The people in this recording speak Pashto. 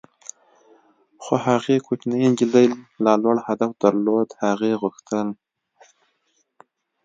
خو هغې کوچنۍ نجلۍ لا لوړ هدف درلود - هغې غوښتل.